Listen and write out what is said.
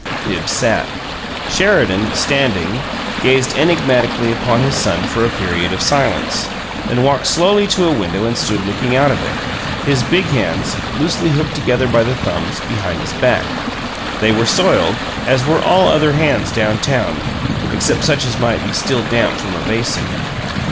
Bibbs sat. Sheridan, standing, gazed enigmatically upon his son for a period of silence, then walked slowly to a window and stood looking out of it, his big hands, loosely hooked together by the thumbs, behind his back. They were soiled, as were all other hands down town, except such as might be still damp from a basin.